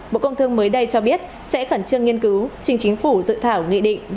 bộ công thương mới đây cho biết sẽ khẩn trương nghiên cứu trình chính phủ dự thảo nghị định